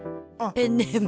ペンネーム。